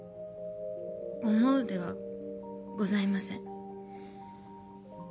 「思う」ではございません。